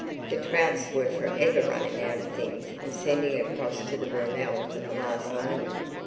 The Trouts were for ever running out of things and sending across to the Burnells' at the last moment.